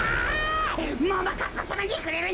ももかっぱさまにふれるんじゃないってか！